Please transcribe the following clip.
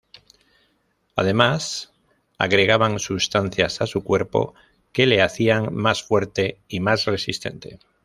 Además agregaban sustancias a su cuerpo que le hacían más fuerte y más resistente.